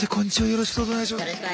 よろしくお願いします。